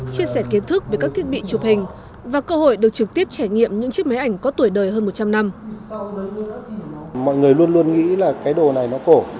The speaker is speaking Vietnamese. chia sẻ kiến thức về các thiết bị chụp hình và cơ hội được trực tiếp trải nghiệm những chiếc máy ảnh có tuổi đời hơn một trăm linh năm